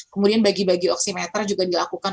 kemudian bagi bagi oksimeter juga dilakukan